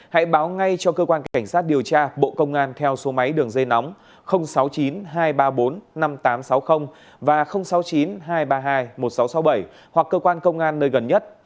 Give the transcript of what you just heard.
hãy báo ngay cho cơ quan cảnh sát điều tra bộ công an theo số máy đường dây nóng sáu mươi chín hai trăm ba mươi bốn năm nghìn tám trăm sáu mươi và sáu mươi chín hai trăm ba mươi hai một nghìn sáu trăm sáu mươi bảy hoặc cơ quan công an nơi gần nhất